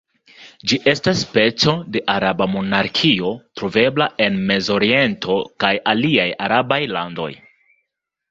Ĝi estas speco de araba monarkio, trovebla en mezoriento kaj aliaj arabaj landoj.